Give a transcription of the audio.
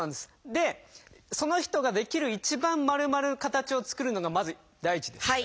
でその人ができる一番丸まる形を作るのがまず第一です。